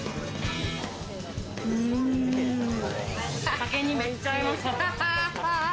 酒にめっちゃ合います。